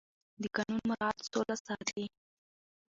د قانون مراعت سوله ساتي